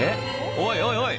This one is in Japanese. おいおいおい！